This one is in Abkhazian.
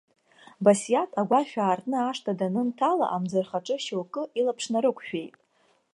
Басиаҭ агәашә аартны ашҭа данынҭала, амӡырхаҿы шьоукы илаԥш нарықәшәеит.